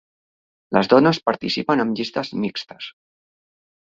Les dones participen amb llistes mixtes